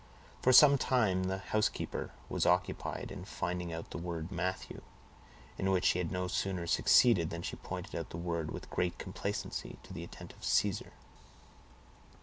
For some time the housekeeper was occupied in finding out the word Matthew, in which she had no sooner succeeded than she pointed out the word, with great complacency, to the attentive Caesar.